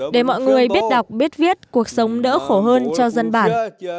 để mọi người biết đọc biết viết cuộc sống đỡ khổ hơn cho dân bản